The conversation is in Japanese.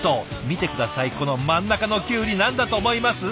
見て下さいこの真ん中のきゅうり何だと思います？